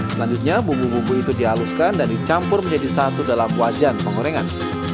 selanjutnya bumbu bumbu itu dihaluskan dan dicampur menjadi satu dalam wajan penggorengan